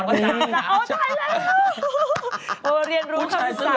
ก็ไปเรียนรู้คำสั่ง